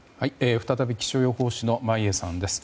再び気象予報士の眞家さんです。